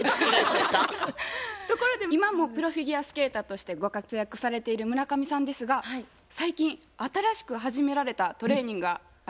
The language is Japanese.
ところで今もプロフィギュアスケーターとしてご活躍されている村上さんですが最近新しく始められたトレーニングがあるみたいですね？